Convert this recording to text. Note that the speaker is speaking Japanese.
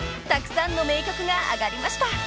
［たくさんの名曲が挙がりました］